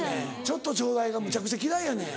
「ちょっとちょうだい」がむちゃくちゃ嫌いやねん。